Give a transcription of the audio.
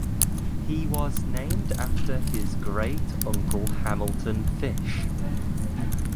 He was named after his great uncle Hamilton Fish.